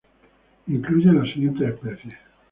Incluye las siguientes especies